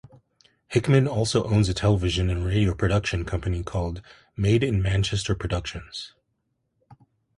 Hickman also owns a television and radio production company called "Made in Manchester Productions".